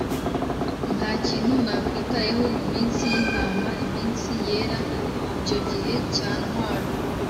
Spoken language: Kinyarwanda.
ntakintu nakwitayeho, muminsi yintama iminsi yera, icyo gihe cyantwara